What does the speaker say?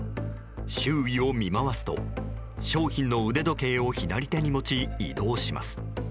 周囲を見回すと、商品の腕時計を左手に持ち、移動します。